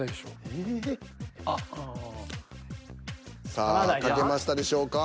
さあ書けましたでしょうか？